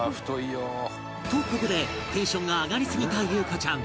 とここでテンションが上がりすぎた裕加ちゃん